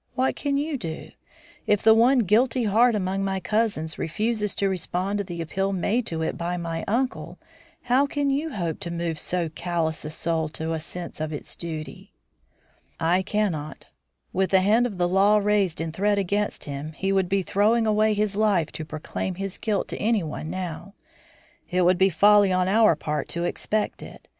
"What can you do? If the one guilty heart among my cousins refuses to respond to the appeal made to it by my uncle, how can you hope to move so callous a soul to a sense of its duty?" "I cannot. With the hand of the law raised in threat against him, he would be throwing away his life to proclaim his guilt to anyone now. It would be folly on our part to expect it.